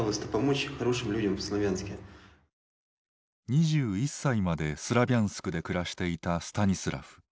２１歳までスラビャンスクで暮らしていたスタニスラフ。